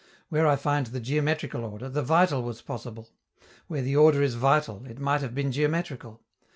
Where I find the geometrical order, the vital was possible; where the order is vital, it might have been geometrical.